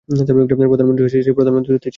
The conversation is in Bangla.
প্রধান মন্ত্রী হতে চেয়েছি।